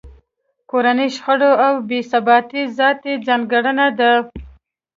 کورنۍ شخړې او بې ثباتۍ ذاتي ځانګړنه ده.